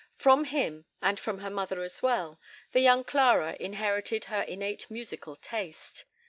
From him, and from her mother as well, the young Clara inherited her innate musical taste.